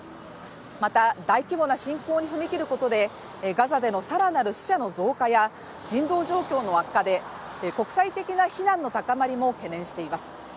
また、大規模な侵攻に踏み切ることでガザでの更なる死者の増加や人道状況の悪化で国際的な非難の高まりも懸念しています。